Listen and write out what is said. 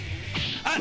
あっ！］